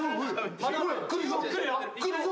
来るぞ。